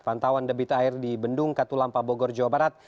pantauan debit air di bendung katulampa bogor jawa barat